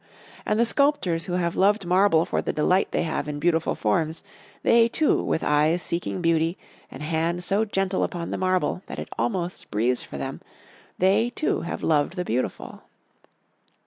And the sculptors who have loved marble for the delight they have in beautiful forms, they, too, with eyes seeking beauty, and hands so gentle upon the marble that it almost breathes for them, they, too, have loved the beautiful.